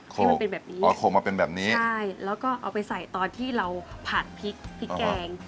โคลกอ๋อโคลกมาเป็นแบบนี้ใช่แล้วก็เอาไปใส่ตอนที่เราผัดพริกพริกแกง